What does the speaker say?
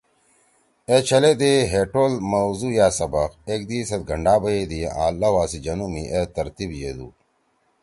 اے چھلے دے ہے ٹول موضوع یا سبَق ایک دِیئی سیت گھنڈا بیَدی آں لؤا سی جنُو می اے ترتیب ییدُو۔